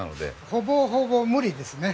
ほぼほぼ無理ですね。